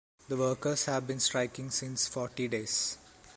The workers have been striking since forty days.